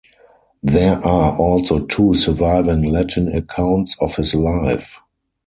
There are also two surviving Latin accounts of his life.